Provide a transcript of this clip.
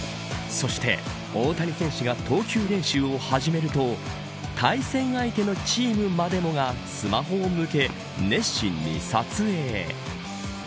そして大谷選手が投球練習を始めると対戦相手のチームまでもがスマホを向け、熱心に撮影。